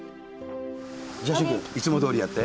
じゃあ、駿君、いつもどおりやって。